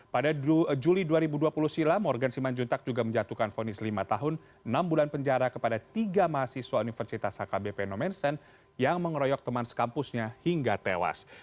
pada juli dua ribu dua puluh silam morgan simanjuntak juga menjatuhkan fonis lima tahun enam bulan penjara kepada tiga mahasiswa universitas hkbp nomensen yang mengeroyok teman sekampusnya hingga tewas